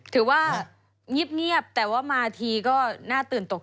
ถือว่าเงียบแต่ว่ามาทีก็น่าตื่นตกใจ